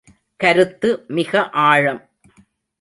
கருத்து மிக ஆழம்.